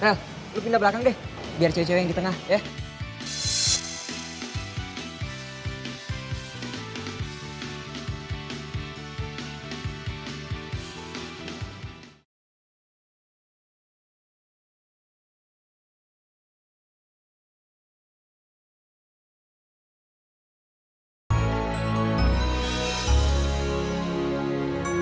merel lo pindah belakang deh biar cewek cewek yang di tengah ya